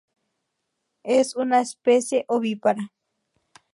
Es una especies ovípara.